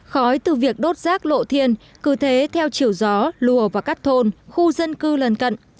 khói từ việc đốt rác lộ thiên cứ thế theo chiều gió lùa vào các thôn khu dân cư lần cận